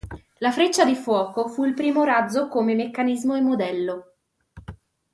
La freccia di fuoco fu il primo razzo come meccanismo e modello.